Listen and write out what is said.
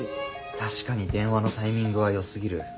確かに電話のタイミングはよすぎる。